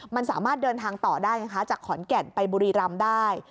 มันสามารถเดินทางต่อได้ไงคะจากขอนแก่นไปบุรีรำได้